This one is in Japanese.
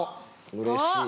うれしい！